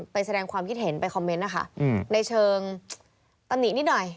แสดงความคิดเห็นไปคอมเมนต์นะคะในเชิงตำหนินิดหน่อย